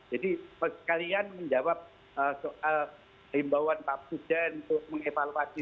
jadi kalian menjawab soal rimbawan pak budjen untuk mengevaluasi itu